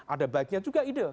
ada baiknya juga ide